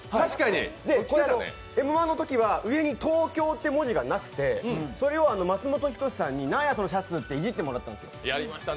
これ「Ｍ−１」のときは、上に「東京」っていう文字がなくてそれを松本人志さんに何やそのシャツっていじってもらえたんです。